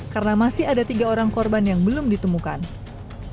karena masih ada tiga orang korban yang berada di dalam kapal